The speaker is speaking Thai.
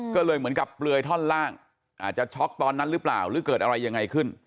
ก็เลยเหมือนกับเปลือยท่อนล่างอาจจะช็อกตอนนั้นหรือเปล่าหรือเกิดอะไรยังไงขึ้น